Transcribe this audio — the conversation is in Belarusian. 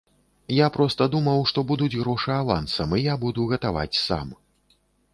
Я проста думаў, што будуць грошы авансам, і я буду гатаваць сам.